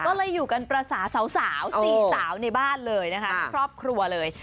ก็เลยอยู่กันภาษาสาว๔สาวในบ้านเลยนะคะทั้งครอบครัวเลย